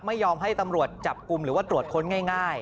ไม่ยอมให้ตำรวจจับกลุ่มหรือว่าตรวจค้นง่าย